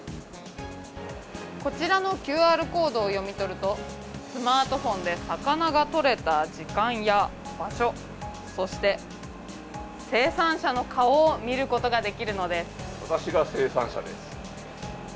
こちらのＱＲコードを読み取ると、スマートフォンで魚が取れた時間や場所、そして生産者の顔を見る私が生産者です。